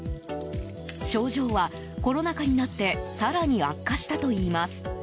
症状はコロナ禍になって更に悪化したといいます。